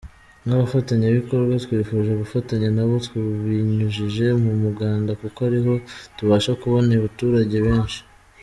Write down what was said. Nk’abafatanyabikorwa twifuje gufatanya nabo, tubinyujije mu muganda kuko ariho tubasha kubona abaturage benshi.